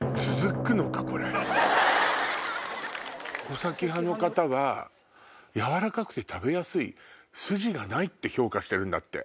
穂先派の方は柔らかくて食べやすい筋がないって評価してるんだって。